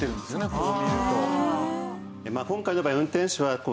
こう見ると。